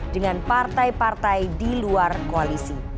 dengan partai partai di luar koalisi